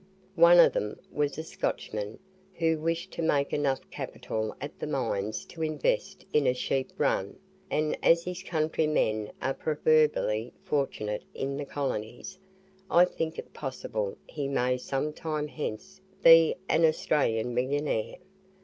One of them was a Scotchman, who wished to make enough capital at the mines to invest in a sheep run; and as his countrymen are proverbially fortunate in the colonies, I think it possible he may some time hence be an Australian MILLIONAIRE.